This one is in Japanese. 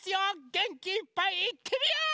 げんきいっぱいいってみよ！